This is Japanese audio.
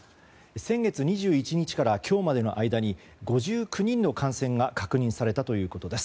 先月２１日から今日までの間に５９人の感染が確認されたということです。